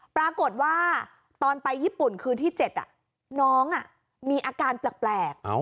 ปรากฏว่าตอนไปญี่ปุ่นคืนที่๗น้องมีอาการแปลก